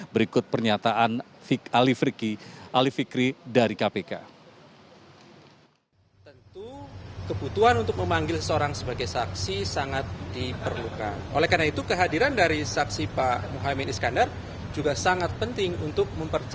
berikut pernyataan ali fikri dari kpk